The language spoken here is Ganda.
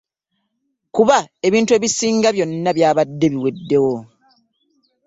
Kuba ebintu ebisinga byabadde biweddewo.